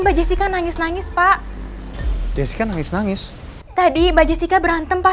bajajikan nangis nangis pak jessica nangis nangis tadi bajajika berantem pas